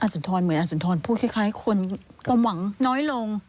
สุนทรเหมือนอาสุนทรพูดคล้ายคนความหวังน้อยลง